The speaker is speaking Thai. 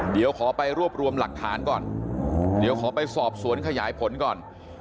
เดี๋ยวขอไปรวบรวมหลักฐานก่อนเดี๋ยวขอไปสอบสวนขยายผลก่อน